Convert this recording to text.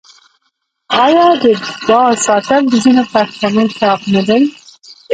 آیا د باز ساتل د ځینو پښتنو شوق نه دی؟